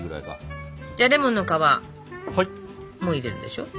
じゃレモンの皮も入れるでしょ。